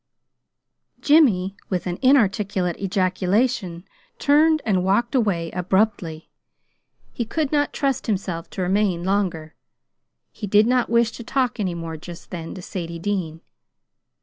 Jimmy, with an inarticulate ejaculation, turned and walked away abruptly. He could not trust himself to remain longer. He did not wish to talk any more, just then, to Sadie Dean.